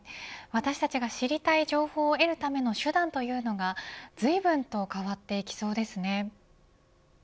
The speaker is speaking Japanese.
私たちが知りたい情報を得るための手段というのがずいぶんとそうですね。